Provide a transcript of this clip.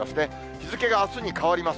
日付があすに変わります。